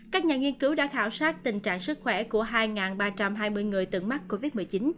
các nhà nghiên cứu đã khảo sát tình trạng sức khỏe của hai ba trăm hai mươi người từng mắc covid một mươi chín